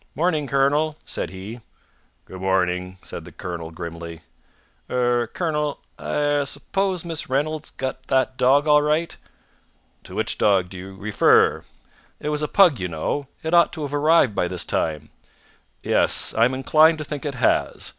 "Morning, colonel!" said he. "Good morning!" said the colonel grimly. "Er colonel, I er suppose Miss Reynolds got that dog all right?" "To which dog do you refer?" "It was a pug, you know. It ought to have arrived by this time." "Yes. I am inclined to think it has.